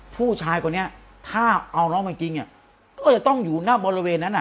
ผู้ชายคนนี้ถ้าเอาน้องมาจริงก็จะต้องอยู่หน้าบริเวณนั้นอ่ะ